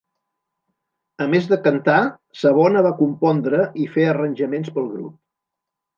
A més de cantar, Savona va compondre i fer arranjaments pel grup.